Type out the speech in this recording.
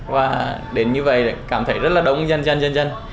và đến như vậy cảm thấy rất là đông dần dần dần dần